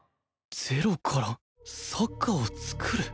ゼロからサッカーを創る？